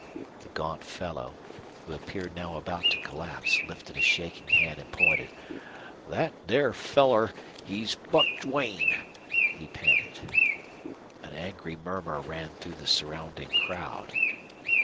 The gaunt fellow, who appeared now about to collapse, lifted a shaking hand and pointed. "Thet thar feller he's Buck Duane!" he panted. An angry murmur ran through the surrounding crowd.